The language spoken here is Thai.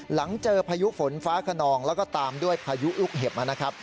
หลังเจอพายุฝนฟ้าขนองแล้วก็ตามด้วยพายุลูกเห็บนะครับ